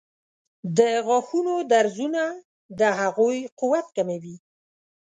د غاښونو درزونه د هغوی قوت کموي.